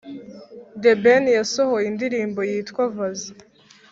the ben yasohoye indirimbo yitwa vazi